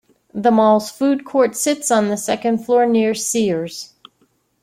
The mall's food court sits on the second floor near Sears.